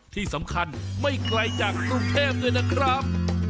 ที่สำคัญไม่ไกลจากกรุงเทพด้วยนะครับ